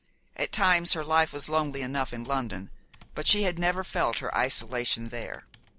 At times her life was lonely enough in London; but she had never felt her isolation there.